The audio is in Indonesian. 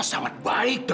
lu gimana sih lu